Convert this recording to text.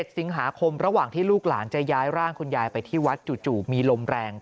๑สิงหาคมระหว่างที่ลูกหลานจะย้ายร่างคุณยายไปที่วัดจู่มีลมแรง